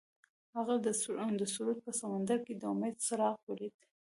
هغه د سرود په سمندر کې د امید څراغ ولید.